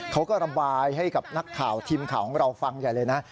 เขาก็ระบายให้กับนักข่าวทีมข่าวของเราฟังใหญ่เลยนะ